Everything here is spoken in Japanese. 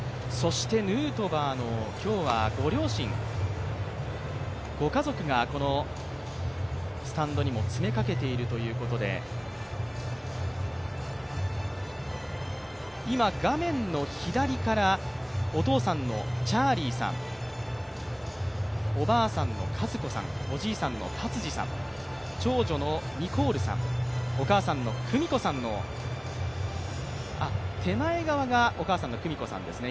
ヌートバーの今日はご両親、ご家族がこのスタンドにも詰めかけているということで、今、画面の左からお父さんのチャーリーさん、おばあさんの和子さんおじいさんの達治さん、長女のニコールさん、手前側がお母さんの久美子さんですね。